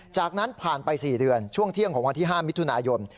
จากนั้นผ่านไป๔เดือนช่วงเที่ยงของวันที่๕มิถุนายน